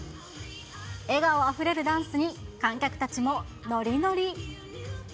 笑顔あふれるダンスに、観客たちもノリノリ。